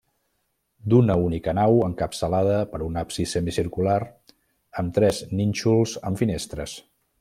D'una única nau encapçalada per un absis semicircular, amb tres nínxols amb finestres.